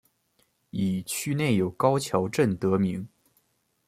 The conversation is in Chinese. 以区内有高桥镇得名。